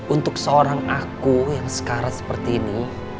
untuk seorang aku yang sekarang seperti ini